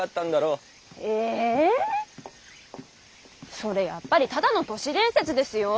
それやっぱりただの都市伝説ですよォ。